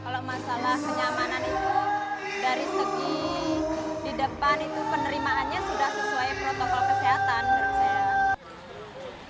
kalau masalah kenyamanan itu dari segi di depan itu penerimaannya sudah sesuai protokol kesehatan menurut saya